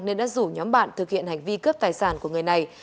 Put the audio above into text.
nên đã rủ nhóm bạn thực hiện hành vi cướp tài sản của người này